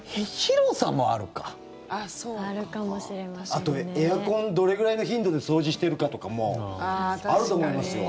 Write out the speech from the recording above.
あと、エアコンどれぐらいの頻度で掃除してるかとかもあると思いますよ。